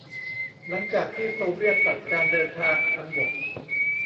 หลังจากที่โซเวียตตัดการเดินทางทางบก